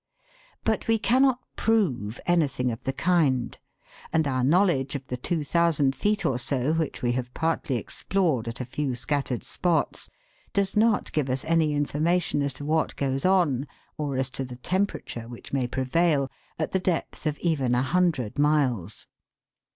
But we cannot prove anything of the kind, and our knowledge of the two thousand feet or so which we have partly explored at a few scattered spots does not give us any information as to what goes on, or as to the tem perature which may prevail at the depth of even a hundred miles.